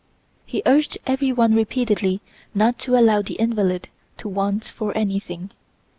He urged every one repeatedly not to allow the invalid to want for anything.